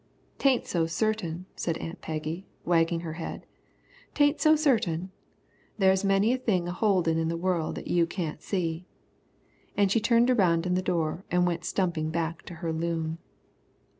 "'Tain't so certain," said Aunt Peggy, wagging her head, "'tain't so certain. There's many a thing a holdin' in the world that you can't see." And she turned around in the door and went stumping back to her loom.